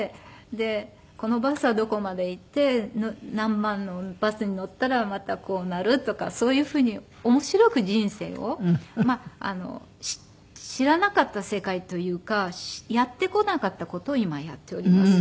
でこのバスはどこまで行って何番のバスに乗ったらまたこうなるとかそういうふうに面白く人生をまあ知らなかった世界というかやってこなかった事を今やっております。